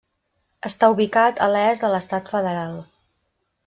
Està ubicat a l'est de l'Estat federal.